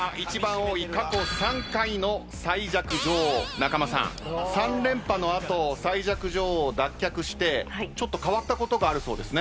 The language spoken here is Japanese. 仲間さん３連覇の後最弱女王を脱却してちょっと変わったことがあるそうですね？